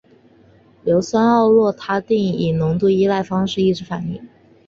盐酸奥洛他定以浓度依赖方式抑制反应。